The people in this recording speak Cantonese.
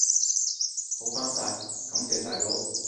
好返晒，感謝大佬！